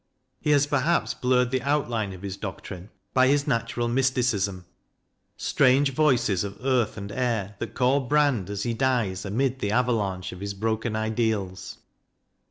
He has perhaps blurred the outline of his doctrine by his natural mysticism strange voices of earth and air that call Brand as he dies amid the avalanche of his broken ideals.